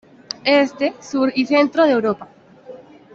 Este, sur y centro de Europa.